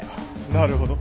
なるほど。